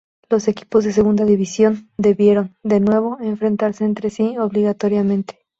Los equipos de Segunda División debieron, de nuevo, enfrentarse entre sí obligatoriamente.